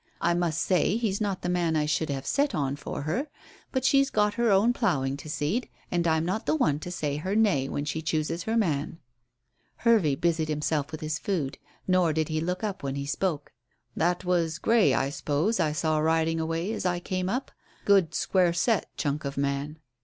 I must say he's not the man I should have set on for her; but she's got her own ploughing to seed, and I'm not the one to say her 'nay' when she chooses her man." Hervey busied himself with his food, nor did he look up when he spoke. "That was Grey, I s'pose, I saw riding away as I came up? Good, square set chunk of a man."